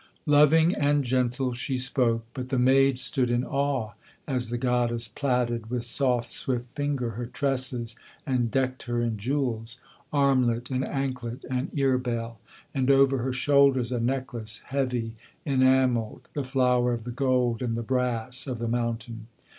Loving and gentle she spoke: but the maid stood in awe, as the goddess Plaited with soft swift finger her tresses, and decked her in jewels, Armlet and anklet and earbell; and over her shoulders a necklace, Heavy, enamelled, the flower of the gold and the brass of the mountain.